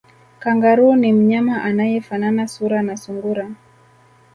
Kangaroo ni mnyama anayefanana sura na sungura